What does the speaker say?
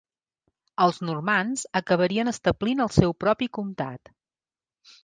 Els normands acabarien establint el seu propi comtat.